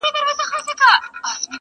دا به څوک وي چي بلبل بولي ښاغلی!.